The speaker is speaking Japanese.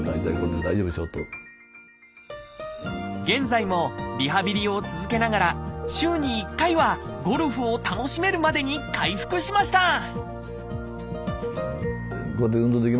現在もリハビリを続けながら週に１回はゴルフを楽しめるまでに回復しました！